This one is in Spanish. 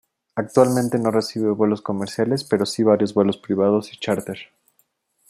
Actualmente no recibe vuelos comerciales pero sí varios vuelos privados y charter.